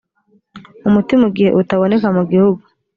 umuti mu gihe utaboneka mu gihugu